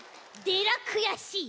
でらくやしい。